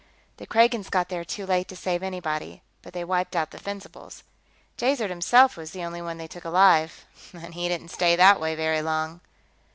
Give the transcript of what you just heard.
The Kragans got there too late to save anybody, but they wiped out the Fencibles. Jaizerd himself was the only one they took alive, and he didn't stay that way very long."